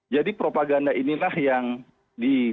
jadi propaganda inilah yang diberikan